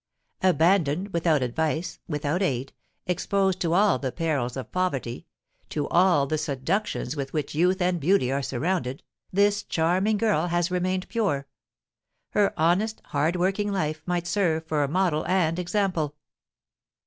Abandoned without advice, without aid, exposed to all the perils of poverty, to all the seductions with which youth and beauty are surrounded, this charming girl has remained pure; her honest, hard working life might serve for a model and example.